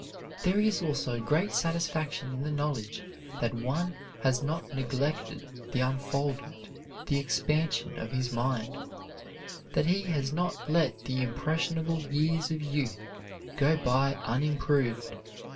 There is also great satisfaction in the knowledge that one has not neglected the unfoldment and expansion of his mind, that he has not let the impressionable years of youth go by unimproved.